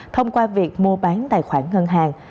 thông qua việc mua bán tài khoản ngân hàng